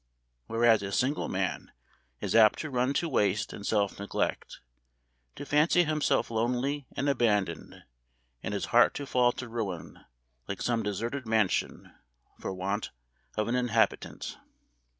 Whereas, a single man is apt to run to waste and self neglect; to fancy himself lonely and abandoned, and his heart to fall to ruin, like some deserted mansion, for want of an inhabitant.